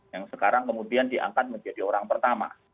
yang sekarang kemudian diangkat menjadi orang pertama